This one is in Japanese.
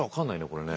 これね。